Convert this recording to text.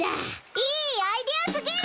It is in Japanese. いいアイデアすぎる！